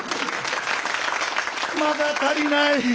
まだ足りない。